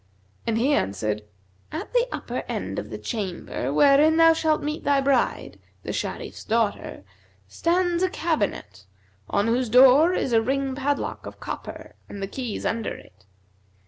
and he answered, 'At the upper end of the chamber wherein thou shalt meet thy bride, the Sharif's daughter, stands a cabinet, on whose door is a ring padlock of copper and the keys under it.